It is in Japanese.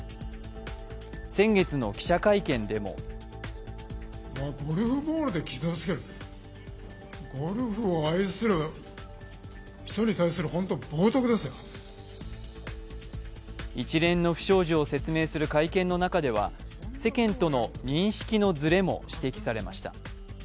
先月の記者会見でも一連の不祥事を説明する会見の中では世間との認識のずれも指摘されました。